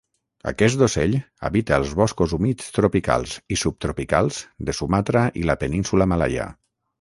Aquest ocell habita els boscos humits tropicals i subtropicals de Sumatra i la Península Malaia.